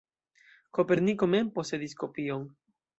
Koperniko mem posedis kopion.